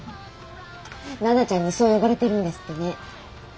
奈々ちゃんにそう呼ばれてるんですってね。